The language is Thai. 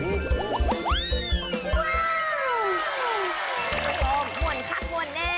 อีกพร่อมหมวนครับหมวนแน้น